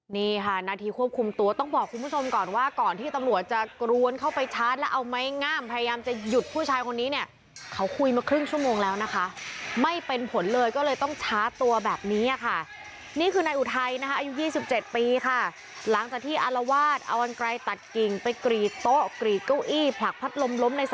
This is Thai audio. นี่ค่ะนาทีควบคุมตัวต้องบอกคุณผู้ชมก่อนว่าก่อนที่ตำรวจจะกรวนเข้าไปชาร์จแล้วเอาไม้งามพยายามจะหยุดผู้ชายคนนี้เนี่ยเขาคุยมาครึ่งชั่วโมงแล้วนะคะไม่เป็นผลเลยก็เลยต้องชาร์จตัวแบบนี้ค่ะนี่คือนายอุทัยนะคะอายุ๒๗ปีค่ะหลังจากที่อารวาสเอากันไกลตัดกิ่งไปกรีดโต๊ะกรีดเก้าอี้ผลักพัดลมล้มในส